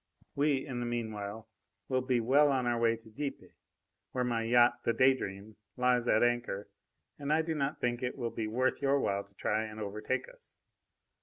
We, in the meanwhile, will be well on our way to Dieppe, where my yacht, the Day Dream, lies at anchor, and I do not think that it will be worth your while to try and overtake us.